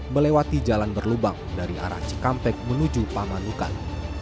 melewati jalan berlubang dari arah cikampek menuju pamanukan